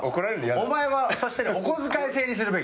お前はお小遣い制にするべきだ。